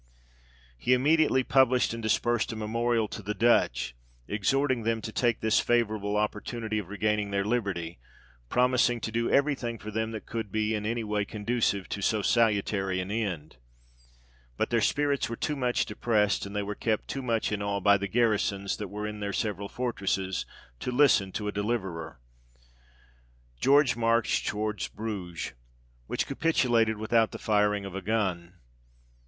He immediately published and dispersed a memorial to the Dutch, exhorting them to take this favourable opportunity of regaining their liberty, promising to do everything for them that could be any way conducive to so salutary an end. But their spirits were too much depressed, and they were kept too much in awe by the garrisons that were in their several fortresses to listen to a deliverer. George marched towards Bruges, which capi tulated without the firing of a gun.